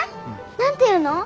何ていうの？